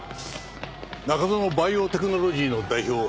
中園バイオテクノロジーの代表